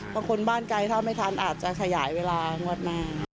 เพราะคนบ้านใกล้เท่าไม่ทันอาจจะขยายเวลาหัวหน้า